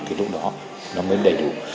thì lúc đó nó mới đầy đủ